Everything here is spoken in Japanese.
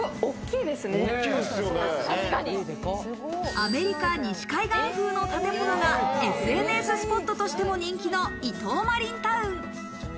アメリカ西海岸風の建物がＳＮＳスポットとしても人気の伊東マリンタウン。